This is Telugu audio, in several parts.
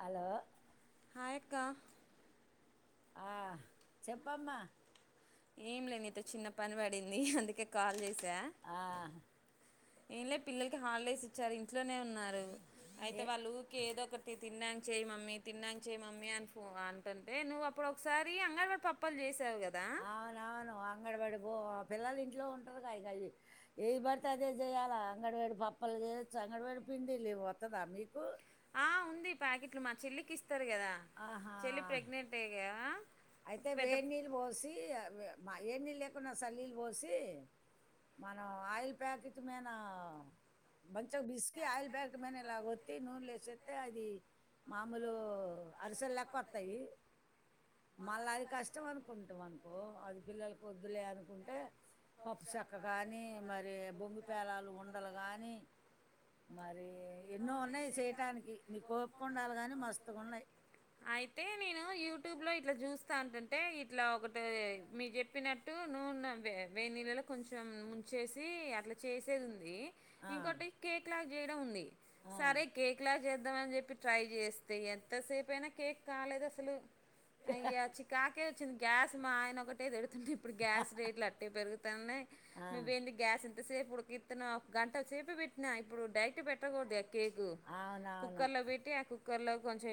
హలో హాయ్ అక్క ఆ చెప్పమ్మా ఏం లేదు నీతో చిన్న పని పడింది అందుకే కాల్ చేసి ఆ ఏంలే పిల్లలకి హాలిడేస్ ఇచ్చారు ఇంట్లోనే ఉన్నారు అయితే ఏ వాళ్లు ఊరికే ఏదో ఒకటి తినడానికి చేయి మమ్మీ తిన్నాకి చెయ్యి మమ్మీ అని ఫ అంటుంటే నువ్వు అప్పుడు ఒకసారి అంగడివాడి పపాలు చేసి అవునవును అంగడబడి ఆ పిల్లలు ఇంట్లో ఉంటారు ఇగా అయ్యి ఏది పడితే అదే చేయ్యాలా అంగన్ బడి పప్పులు చేయొచ్చా అంగడవాడి పిండి లే వత్తదా మీకు ఆ ఉంది ప్యాకెట్లు మా చెల్లికి ఇస్తారు కదా ఆహా చెల్లి ప్రెగ్నెంట్యే కదా అయితే పెద్ద వేడి నీళ్ళు పోసి మా ఏ నీళ్ళు లేకున్నా సన్నీనీళ్ళు పోసి మనం ఆయిల్ ప్యాకెట్ మీనా మంచిగా పిసికి ఆయిల్ ప్యాకెట్ పైన ఇలాగ వత్తి నూనలో ఎసత్తే అది మామూలు అరిసెలలెక్క వస్తాయి మళ్ళా అది కష్టం అనుకుంటాం అనుకో అది పిల్లలకు వద్దులే అనుకుంటే పప్పు చెక్క గాని మరి బొంగు పేలాలు ఉండలు గాని మరి అరే ఎన్నో ఉన్నాయి చేయటానికి నీకు ఓపికుండాలి గాని మస్తుగా ఉన్నాయి అయితే నేను యూట్యూబ్ లో ఇట్లా చూస్తా అంటంటే ఇట్లా ఒకటి మీరూ చెప్పినట్టు వేడి నీల్లలో కొంచెం ముంచేసి అట్లా చేసేది ఉంది ఆ, ఇంకోటి కేక్ లాగా చేయడం ఉంది ఆ. సరే కేక్ లాగా చేద్దాం అని చెప్పి ట్రై చేస్తే ఎంతసేపు అయినా కేక్ కాలేదు అసలు అయ్య చికాకే గ్యాస్ మా ఆయన ఒకటే తిడుతా అంటే ఇప్పుడు గ్యాస్ రేట్లు అట్టే పెరుగుతన్నాయి ఆ, నువ్వు ఏంది గ్యాస్ ఇంతసేపు గిత్తన ఒక గంటేసేపు పెట్టినా ఇప్పుడు డైరెక్ట్ పెట్టకూడదుగా కేక్ అవునవును కుక్కర్ లో పెట్టి ఆ కు కుక్కర్లో కొంచెం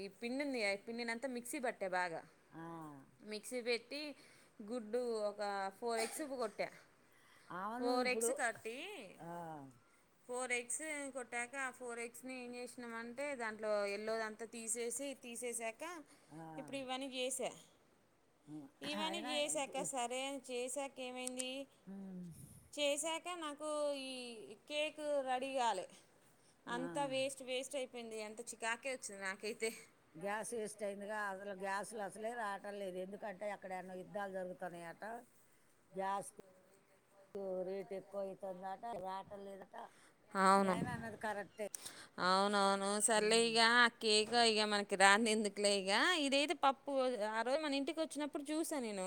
ఈ పిడుందిగా పిండినంత అంతా మిక్సీ పట్టా బాగా ఆ. మిక్సీ పెట్టి గుడ్డు ఒక ఫోర్ ఎగ్స్ కొట్టా అవును ఫోర్ ఇప్పుడు ఎగ్స్ కట్టి ఆ! ఫోర్ ఎగ్ ఎగ్స్ కొట్టాక ఆ ఫోర్ ఎగ్స్ ని ఏం చేసినం అంటే దాంట్లో ఎల్లో అంతా తీసేసి తీసేసాక గా ఆ! ఇప్పుడు ఇవన్నీ చేసా హ్మ్. ఇవన్నీ అయినా చేశాక ఇప్పుడు సరే అని చేశా ఏమైంది హ్మ్. చేసాకా నాకు ఈ కేకు ఇదికాలే ఆ! అంత వేస్ట్ వేస్ట్ అయిపోయింది అంత చికాకే వచ్చింది నాకైతే గ్యాస్ వేస్ట్ అయిందిగా అసలు గ్యాస్లు అసలే రావటం లేదు ఎందుకంటే అక్కడ ఎన్నో యుద్ధాలు జరుగుతున్నాయి అట గ్యాస్ రేటు ఎక్కువ అవుతుందట రాటం లేదట మీ అవును ఆయన అన్నది కరెక్టే. అవునవును సరలేే హ్మ్. ఇక కేక్ ఇక మనకి ఇక దంది ఎందుకులే ఇక ఇదేతే పప్పు ఆ రోజు మన ఇంటికి వచ్చినప్పుడు చూసా నేను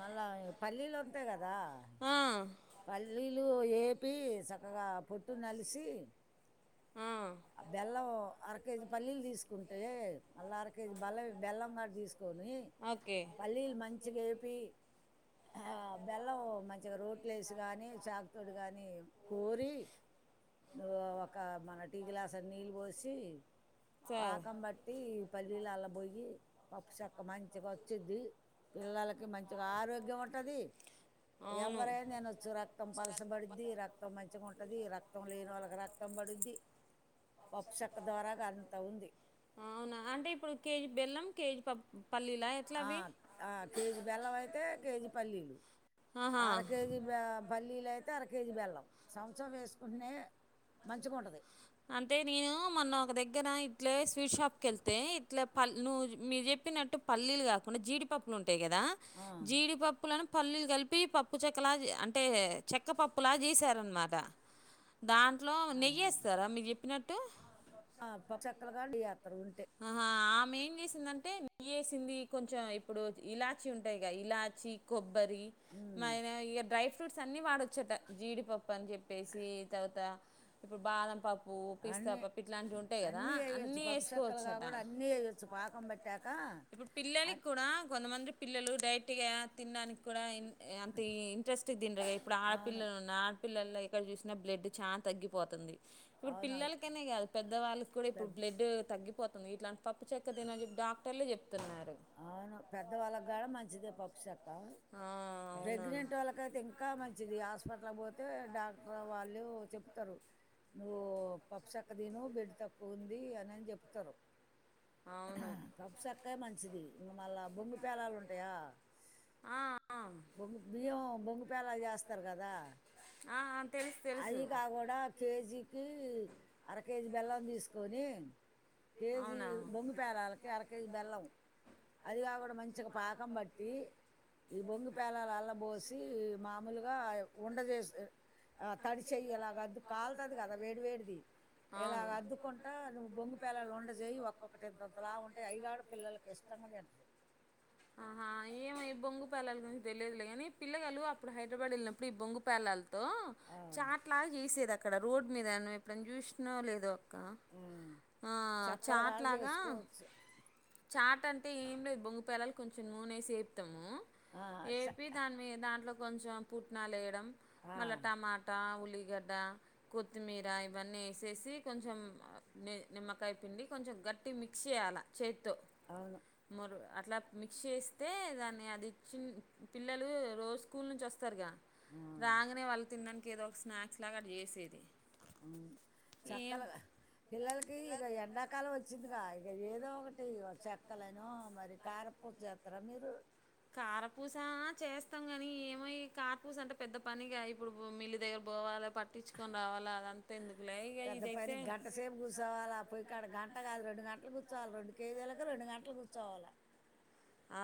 మళ్ళా పల్లీలు వాతాయి కదా ఆ, పల్లీ లు ఏపి చక్కగా పొట్టు నలిసి ఆ, ఆ బెల్లం అర కేజీ పల్లీలు తీసుకుంటే మళ్ళ అర కేజీ బల్లం బెల్లం కూడా తీసుకు కొని ఓకే పల్లీలు మంచిగ ఏపీ ఆ బెల్లం మంచిగా రోట్లేస్ గాని చాకుతోటి గాని నూరి ఓ ఒక మన టీ గ్లాస్ నీళ్ళు పోసి సరే పాకం బట్టి పల్లీల అలా బోయి పప్పు చక్క మంచిగా వచ్చిద్ది పిల్లలకి మంచిగా ఆరోగ్యం ఉంటది అవును ఎవరైనా తినొచ్చు రక్తం పలసబడిది రక్తం మంచిగా ఉంటది రక్తం లేని నోళ్ళకి రక్తం పడుంది పప్సక్క ద్వారాగా అంత ఉంది అవునా అంటే ఇప్పుడు కేజీ బెల్లం కేజీ పప్పు ఆ ఆ కేజీ బెల్లం అయితే కేజీ పల్లీ ఆహా అర కేజీ ప పల్లీలు అయితే అర కేజీ బెల్లం [unintelligible] వేసుకుంటే మంచిగా ఉంటది అంటే నేను మొన్న ఒక దగ్గర ఇట్లే స్వీట్ షాప్ కి వెళ్ తే ఇట్లా పల్ మీరు చెప్పినట్టు పల్లీలు కాకుండా జీడి పప్పులు ఉం ఉంటాయి, కదా ఉంటుంది జీడి పప్పులను పల్లీలు కలిపి పప్పు చెక్కలా అంటే చెక్క పప్పులా చేసారనమాట దాంట్లో నెయ్యేస్ చెప్పినట్టు అప్పా చక్కల [inaudible] యాత్తరు ఉంటే ఆహా ఆమె ఏం చేసిందింటే నెయ్యేసింది కొంచెం ఇప్పుడు ఇలాచి ఉంటాయిగా ఇలా చి కొబ్బరి ఉమ్ [unintelligible] ఇగ డ్రై ఫ్రూట్ అన్నీ వాడొ చ్చట జీడిపప్పు అని చెప్పేసి తర్వాత ఇప్పుడు బాదం ప పు పిస్తా అన్నీ పప్పు ఇట్లాంటివి ఉంటాయి కదా వేయొచ్చు అన్నీ పప్పు ఏస్ చెక్కలుగా ఒచ్చట కూడా అన్నీ వేయొచ్చు పాకం పట్టాక ఇప్పుడు అ పిల్లలికి కూడా కొంతమంది పిల్ల ల్లల్లు డైటి గా తినడానికి కూడా అంత ఇంట్రెస్ట్ తినరుగా ఇప్పుడు ఆ అవును పిల్లలు నా పిల్లల్లో ఎక్కడ చూసినా బ్లడ్ చాన్ తగ్గిపోతంది ఇప్పుడు అవును పిల్లలకు అనే కాదు పెద్ద వాళ్ళకి కూడా ఇప్పుడు పెద్ద బ్లెడ్ తగ్గిపోతుంది ఇట్లాంటి పప్పు చెక్క తిను అని చెప్పి డాక్టర్లే చెప్తున్నారు అవును పెద్దవాళ్ళకి కాడ మంచిదే పప్పుసెక్క ఆ అవునవును ప్రెగ్నెంట్ వాళ్ళకైతే ఇంకా మంచిది హాస్ప్ పెటలకు పోతే డాక్టర్ వాళ్ళే చెపుతారు నువ్వు పప్పు చెక్క తిను బెడ్ తక్కువుంది అని అని చెప్తారు అవును పప్పు చక్కే మంచిది ఇంగ మళ్ళ బొంగు పేలాలు ఉంటాయా ఆ ఆ బొంగు బియ్యం బొంగు పేలాలు చేస్తారు కదా ఆ ఆ తెలుసు తెలుసు కే జీ కి అర కే జీ బెల్లం తీసుకొని కే జీ అవునా బొంగు పేలాలకి అర కే జీ బెల్లం అది కాకుండా మంచిగా పాకం బట్టి ఈ బొంగు పేలాల అల్ల పోసి మామూలుగా ఉండ చేస్ ఆ తడి చెయ్యి ఇలాగ అద్దు కాలతాది కదా వేడి వేడిది ఇలాగ అవును అద్దుకుంటా నువ్వు బొంగు పేలాలు ఉండ చెయ్యి ఒక్కొక్కటి ఇంతంత లావు ఉంటాయి అయి గాడ పిల్లలకి ఇష్ట ఆహా [unintelligible] ఏమో ఈ బొంగు పేలాలు గురించి తెలియదు లే గానీ పిల్లగాళ్ళు అప్పుడు హైడ్రబాడ్ ఎళ్ళినప్పుడు ఈ బొంగు పేలాలు తో ఆ. చాట్ లాగా చేసేది అక్కడ రోడ్ మీద నువ్వు ఎప్పుడన్నా చూసినావో లేదో కా ఆ. ఆ చెక్కలు చాట్ కూడా లాగా చేసుకోవచ్చు చాట్ అం టే ఏం లేదు బొంగు పేలాలు కొంచెం నూనేసి ఏపుతాము ఆ, చె- ఏపి దాని మీ దాంట్లో కొంచెం పుట్నాలు వేయడం ఆ, మళ్ళా టమాటా ఉలి గడ్డ కొత్తిమీర ఇవన్నీ వేసేసి కొంచెం నిమ్మకాయ పిండి కొంచెం గ ఈ మిక్స్ చేయాల చేతో అవును మరు అట్లా మిక్స్ చేస్తే దాన్ని అది చిన్ పిల్లలు రోజు స్కూల్ నుంచి వస్తారుగా ఆ రాగానే వాళ్ళు తినడానికి ఏదో ఒక స్నాక్స్ లాగా అది చేసేది అవును ఏం చక్కలగా పిల్లలకి ఇక ఎండాకాలం వచ్చిందిగా ఇక ఏదో ఒకటి ఇగో చెక్కలను మరి కారపూస జత్ర మీరు కారపూస చేస్తాం గాని ఏమో ఈ కారపూస అంటే పెద్ద పని ఇగా ఇప్పుడు మిల్లు దగ పోవాలి పట్టించుకొని రావాలా అది అంతా ఎందుకు పెద్ద పని గంట సేపు కూర్చోవాల పోయి కాడ గంట కాదు రెండు గంటలు కుర్ కూర్చోవాలి రెండు కేజీలకు రెండు గంటలు కూర్చోవాలా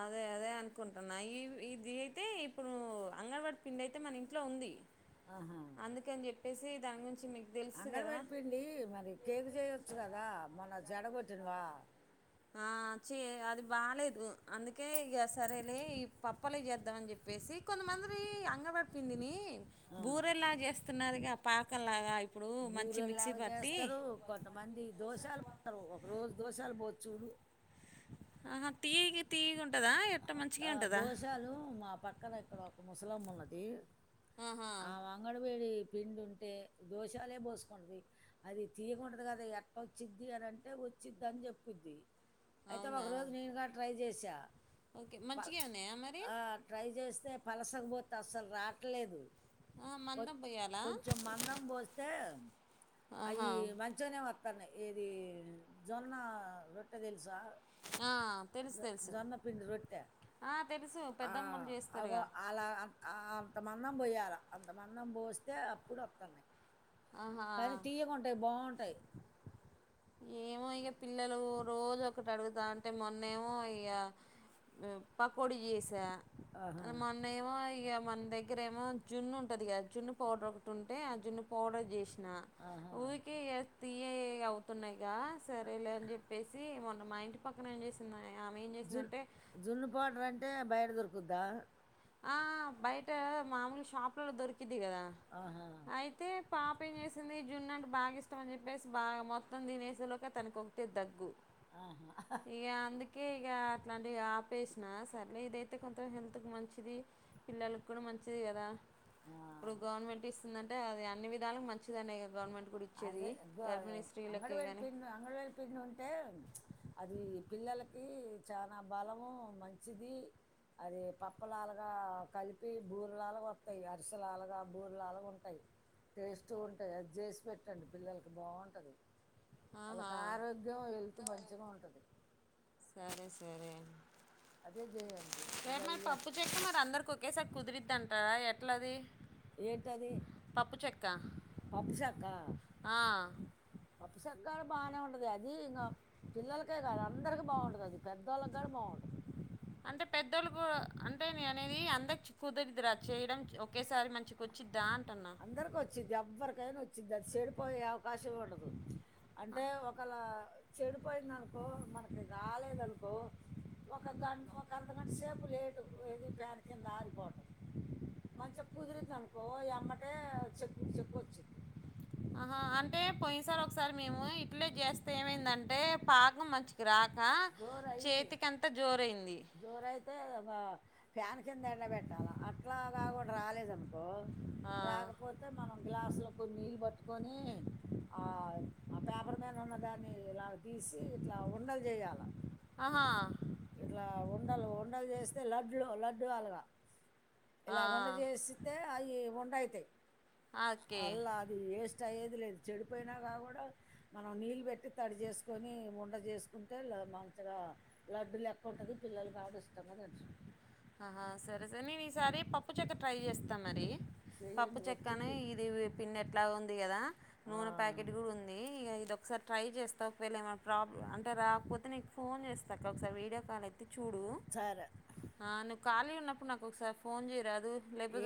అదే అదే అనుకుంటున్నా ఈ ఇది అయితే ఇప్పుడు అంగన్ వాడి పిండి అయితే మన ఇంట్లో ఉంది అందుకే అని చెప్పేసి దాని గున్ అంగన్ వాడి పిండి మరి కేక్ చేయచ్చు కదా మొన్న జడ కొట్టినవా ఆ చే అది బాలేదు అందుకే ఇక సరేలే ఈ పప్పలే చేద్దామని చెప్పు చెప్పేసి కొంతమందిరి అంగన్ వాడి పిండి ని బూరెలా చేస్తున్నారుగా పాకలాగాయ్ బూరెలాగా చేస్తారు కొంతమంది దోషాలు పోతారు ఒక రోజు దోషాలు పోసి చూడు ఆహా తీయగా తీయగా ఉం ఆ దోషాలు మా పక్కన ఎక్కడో కు ముసలమ్మ ఉన్నది ఆహా ఆ వంగన్ వేడి పిండి ఉంటే దోషాలే పోసుకుంటుది అది తీయకుంటది కదా ఎట్ వచ్చిద్ది అని అంటే వచ్చింది అని చెప్పుద్ది అయితే అవునా ఒక రోజు నేనుగా ట్రై చేసా ఓకే పలు మంచిగే ఉన్నాయా మరి ఆ ట్రై చేస్తే పలుసగ పోతే అస్సలు రాట్ లేదు ఆ వొత్ మందం పొయ్యాలా కొంచెం మందం పోస్తే అయి ఆహా మంచిగానే వస్తానాయ్ ఏది జొన్న రొట్టె తెలి జ ఆ తెలుసు తెలుసు జొన్న పిండి రొట్ట ఆ తెలుసు ఆ పెద్దమ్మలు అగో చేస్తారుగా అలా ఆ అంత మందం పోయ్యాల అంత మందం బో పోస్తే అప్పుడు వత్తాన్నాయి ఆహా ఏమో ఇగ పిల్లలు రోజు ఒకటి అడుగుతా అంటే మొన్న ఏమో ఇగ పకోడి చేస ఆహా మొన్న ఏమో ఇగ మన్ దగ్గర ఏమో జున్ను ఉంటది కదా జున్ను పౌడర్ ఒకటి ఉంటే ఆ జున్ను పౌడర్ చేసి ఆ ఆహా ఊకె యా తీయగా ఏ అవు తున్నాయిగా సరేలే అని చెప్పేసి మొన్న మా ఇంటి పక్కన ఏం చేసింది నాయె జున్ జున్ను పౌడర్ అంటే బయట దొరుకుద్దా ఆ బయట మామూలు షాపులలో దొరికింది కదా ఆహా అయితే పాప ఏం చేసింది జున్న అంటే బాగా ఇష్టం అని చెప్పేసి బాగా మొత్తం దినేసేలోకి తనకు ఒకటే దగ్గు ఆహా ఇక అందుకే ఇక అట్లాంటి ఆపేసిన సరేలే ఇదైతు తే కొంత హెల్త్ కు మంచిది పిల్లలకు కూడా మంచిది కదా ఆ ఇప్పుడు గవర్నమెంట్ ఇస్తుందంటే అది అన్ని విధాలకు మంచిదనే గవర్నమెంట్ కూడా ఇచ్చేది అదే ఎగ్ వయో గర్భిణీ అంగన్ స్త్రీలకే వాడి కానీ పిండి అంగన్ వాడి పిండి ఉంటే అది పిల్లలకి చనా బలము మంచిది అది పప్పలాలుగా కలిపి బూరలాలుగా వస్తాయి అరిసలాలుగా బూరలాలుగా ఉంటాయి టేస్ట్ గా ఉంటాయి అది చేసి పెట్టండి పిల్లలకి బాగుంటది ఆహా వాళ్ళకు ఆరోగ్యం హెల్త్ మంచిగా ఉంటది రే మరి ఇక పప్పు చెక్క మరి అందరోకేస కుదిరిద్దంటావ ఎట్లది ఏంటది పప్పు చెక్క పప్పుశక్కా ఆ, చెక్కర బాగానే ఉంటదే అది ఇంగ పిల్లలకే గాదు అందరికి బాంటది అది పెద్దోళ్ళగని బాంటది అంటె పెద్దోల్లు గూ టె నేన్ అనేది అందరి కుదరిద్ది రా చేయడనికి ఒకేసారి మంచికి ఒచ్చి అందర్కోచ్చింది ఎవ్వర్కైనా ఒచ్చిద్ది అది చెడిపోయే అవకాశంమే ఉండదు అంటే ఒకళ చెడిపోయిందనుకో మనకి రాలేదనుకో ఒక గం ఒక అర్ధ గంట సేపు లేటు ఏది ప్యాన్ కింద ఆగిపోటం మంచిగా కుదిరిందనుకో యమ్మటే చెక్కు చెక్కు ఒచ్చిద్ది ఆహా అంటే పోన్సారు ఒక్సారి మేము ఇట్లే జేస్తే ఏమైందంటే పాకం మంచిగరా అ జోరయి చేతికింత జోర్ జోరైతే వా ఫ్యాన్ కింద ఎండబట్టాలా అట్ ట్లాగా గుడ్ రాలేదనుకో ఆ! రాక్పోతే మనం గ్లాస్లో కొనీళ్ళు పట్కొని ఆ అ పేపర్ మీన్ ఉన్న దాన్ని ఇలా తీస్ సీ ఇట్లా ఉండలు జేయాల ఆహా! ఇట్లా ఉండలు ఉండలు జేస్తే లడ్లు లడ్డు అలగ ఆ! ఇలాగుండ చేసితె అయి ఉండైతాయ్ ఆ, ఓకే. అల్ల అది వేస్ట్ అయ్యేది లేద్ చెడిపోయినా కా గుడా మనం నీళ్ళు బెట్టి తడి చేస్కోనీ ఉండ చేస్కుంటే మంచిగా లడ్డు లెక్క ఉంటది పిల్లలు బాడ ఇష్టంగ తింట్రు సారి పప్పు చెక్క ట్రై జేస్త మరీ స్చె పప్పు చెక్కనీ ఇది పిండెట్లాగొ ఉంది గదా ఆ, నూనె ప్యాకెట్ గుడుంది ఇగ ఇదొ కసారి ట్రై జేస్త ఒక్వేళ ఏమన ప్రాబ్ అంటే రాక్పోతే నీకు ఫోన్ జేస్తక్క ఒక్సారి వీడియో కాల్ అ చూడూ సరే నువ్ కాళీ ఉన్నప్పుడు నా ఒక్సారి ఫోన్ జేయ్రా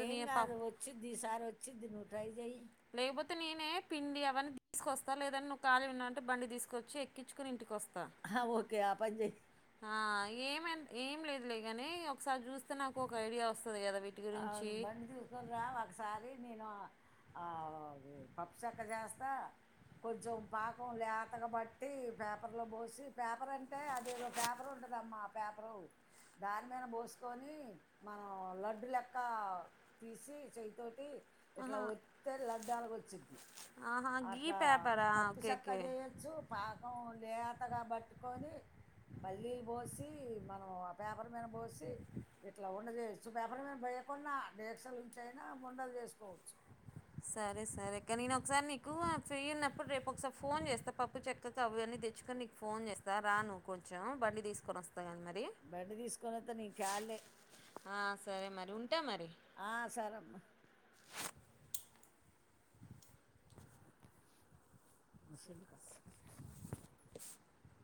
ఏం గాదు ఒచ్చిద్ది ఈసారి ఒచ్చిద్ది నువ్ ట్రై జేయ్ త్తే నేనె పిండి అవన్ తీస్కొస్త లేదన్ నువ్వుఖాలీగున్నవ్ అంటె బండి తీస్కోచ్చి ఎక్కిచుకుని ఇంటికోస్త హా ఓకే అప్పంజయ్ ఆ ఏమైం ఏం లేదు లేగని ఒక్సారి జూస్తే నాకోక ఐడియా ఒస్ ఔను బండి తీస్కోని రా ఒక్సారి నేనూ పప్పుచెక్క జేస్తా కొంచెం పాకం లేతగ బట్టీ పేపర్లో బోసి పేపర్ అంటే అదేదో పేపర్ ఉంటదమ్మా పేపరు దాన్ మీన బోస్కొని మనం లడ్డు లె క్కా తీసి చేయ్తోటి ఆ, ఇట్ల ఒత్తుతే లడ్డాల్గ ఒచ్చిద్ది ఆహా గీ అట్లా పేపరా పప్పు ఓకే చెక్క ఓకే జేయచ్చు పాకం లేతగా బట్టుకొని పల్లీల్ బోసి మనం ఆ పేపర్ మీన బోసి ఇట్లా ఉండ జేయచ్చు పేపర్ మీన కున్నా డీక్షలుంచైనా ఉండలు జేస్కోవచ్చు సరే సరే కానీ నేను ఒకసారి నీకు ఫ్రీ ఉన్నప్పుడు, రేపు ఒకసారి ఫోన్ చేస్తా, పప్పు చెక్కకు అవన్నీ తెచ్చుకొని, నీకు ఫోన్ చేస్తా రా. ను కొంచం బండి తీస్కోనొస్ బండి తీస్కోనొత్తే నీ క్యాలె అ సరె మరి ఉంటా మరి ఆ, సరే అమ్మా [unintelligible] [inaudible]